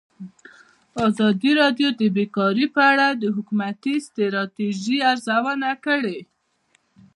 ازادي راډیو د بیکاري په اړه د حکومتي ستراتیژۍ ارزونه کړې.